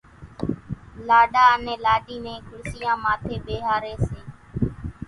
لاڏا انين لاڏِي نين کُڙسِيان ماٿيَ ٻيۿاريَ سي۔